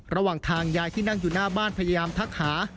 ระหว่างทางยายที่นั่งอยู่หน้าบ้านพยายามทักหา